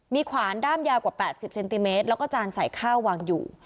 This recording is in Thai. มีขวานด้ามยาวกว่า๘๐เซนติเมตรแล้วก็จานใส่ข้าววางอยู่